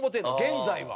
現在は。